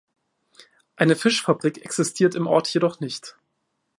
Eine Fischfabrik existiert im Ort jedoch nicht.